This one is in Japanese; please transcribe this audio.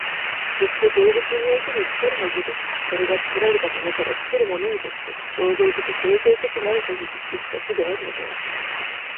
そして動物においても然るが如く、それが作られたものから作るものへとして、創造的形成的なるかぎり生きた種であるのである。